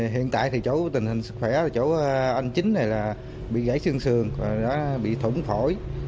hiện tại thì chỗ tình hình sức khỏe chỗ anh chính này là bị gãy xương xương bị thổn phổi